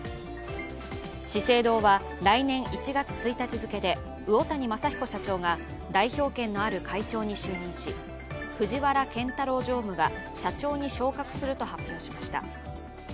資生堂は来年１月１日付で魚谷雅彦社長が代表権のある会長に就任し、藤原憲太郎氏が社長に昇格すると発表しました。